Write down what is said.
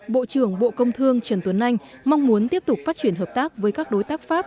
bộ trưởng bộ công thương trần tuấn anh mong muốn tiếp tục phát triển hợp tác với các đối tác pháp